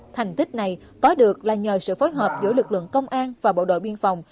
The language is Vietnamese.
thành tích này có được là nhờ sự phối hợp giữa lực lượng công an và bộ đội biên phòng